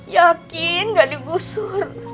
yakin nggak digusur